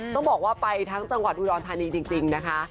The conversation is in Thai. ต้องบอกว่าไปทั้งจังหวัดอุดรธานีจริงนะคะ